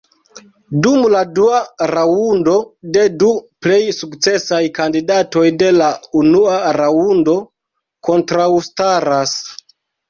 Dum la dua raŭndo la du plej sukcesaj kandidatoj de la unua raŭndo kontraŭstaras.